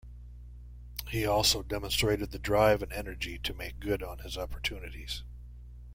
He also demonstrated the drive and energy to make good on his opportunities.